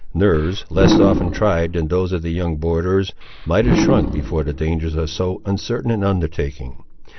Nerves less often tried than those of the young borderers might have shrunk before the dangers of so uncertain an undertaking.